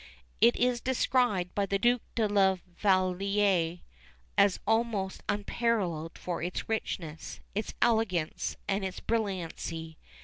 It is described by the Duke de la Vallière as almost unparalleled for its richness, its elegance, and its brilliancy.